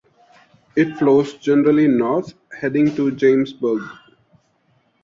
It flows generally north, heading to Jamesburg.